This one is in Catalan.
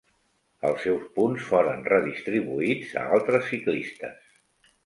Els seus punts foren redistribuïts a altres ciclistes.